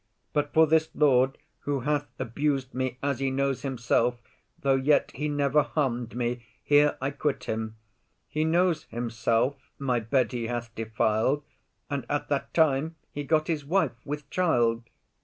But for this lord Who hath abus'd me as he knows himself, Though yet he never harm'd me, here I quit him. He knows himself my bed he hath defil'd; And at that time he got his wife with child.